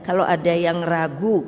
kalau ada yang ragu